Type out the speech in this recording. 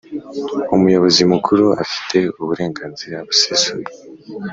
Umuyobozi Mukuru afite uburenganzira busesuye